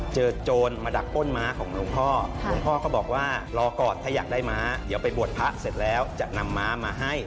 โจรมาดักป้นม้าของหลวงพ่อหลวงพ่อก็บอกว่ารอก่อนถ้าอยากได้ม้าเดี๋ยวไปบวชพระเสร็จแล้วจะนำม้ามาให้